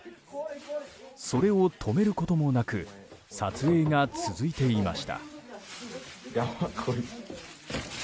それを止めることもなく撮影が続いていました。